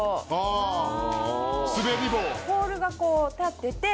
ポールがこう立ってて。